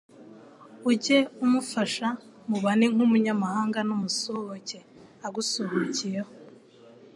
ujye umufasha, mubane nk'umuuyamahanga n'umusuhuke agusuhukiyeho.